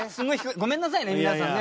ごめんなさいね皆さんね